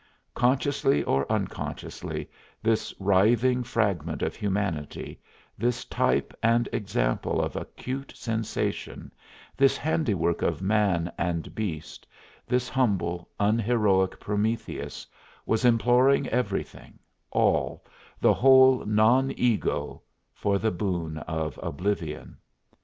Consciously or unconsciously, this writhing fragment of humanity, this type and example of acute sensation, this handiwork of man and beast, this humble, unheroic Prometheus, was imploring everything, all, the whole non ego, for the boon of oblivion.